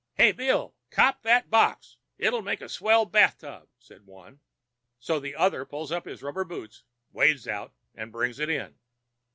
"'Hey, Bill, cop that box; it'll make a swell bath tub,' says one. So the other pulls up his rubber boots, wades out, and brings it in.